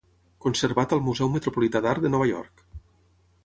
Conservat al Museu Metropolità d'Art de Nova York.